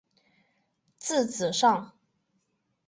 字子上。